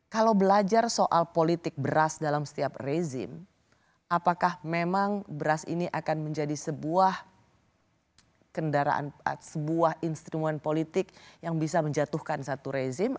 kalau belajar soal politik beras dalam setiap rezim apakah memang beras ini akan menjadi sebuah kendaraan sebuah instrumen politik yang bisa menjatuhkan satu rezim